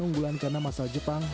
unggulan karena masalah jepang